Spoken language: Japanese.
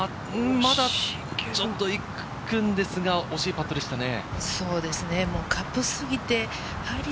まだちょっと行くんですが、惜しいパットでしたね。